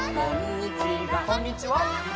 「こんにちは」